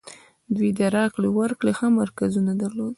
دوی د راکړې ورکړې ښه مرکز درلود.